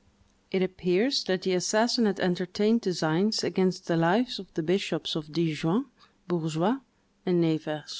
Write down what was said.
It appears that the assassin had entertained designs against the lives of the bishops of Dijon, Burgos, and Nevers."